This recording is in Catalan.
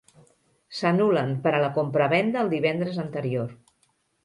S'anul·len per a la compravenda el divendres anterior.